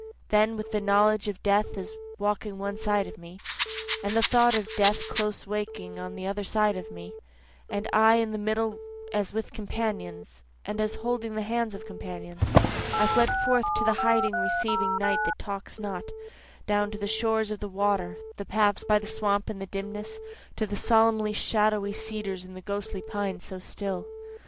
Then with the knowledge of death as walking one side of me, And the thought of death close walking the other side of me, And I in the middle as with companions, and as holding the hands of companions, I fled forth to the hiding receiving night that talks not, Down to the shores of the water, the path by the swamp in the dimness, To the solemn shadowy cedars and ghostly pines so still.